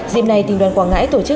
dịp này tỉnh đoàn quảng ngãi tổ chức